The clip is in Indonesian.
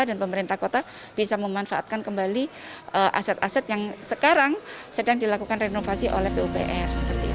dan pemerintah kota bisa memanfaatkan kembali aset aset yang sekarang sedang dilakukan renovasi oleh pupr